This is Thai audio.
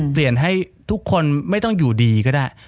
เปลี่ยนให้ทุกคนไม่ต้องอยู่ดีก็ได้